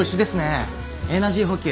エナジー補給。